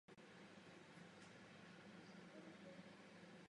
Do Izraele se vrátil až po vzniku státu.